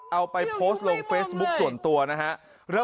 เอาไปโพสต์ลงเฟซบุ๊คส่วนตัวนะฮะ